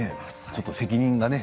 ちょっと責任がね